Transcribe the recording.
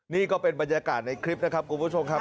นี่ก็เป็นบรรยากาศในคลิปนะครับคุณผู้ชมครับ